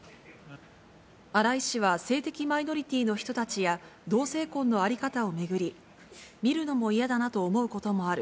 荒井氏は性的マイノリティの人たちや同性婚の在り方を巡り、見るのも嫌だなと思うこともある。